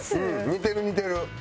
似てる似てる。